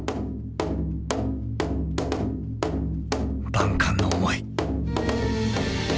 ［万感の思い］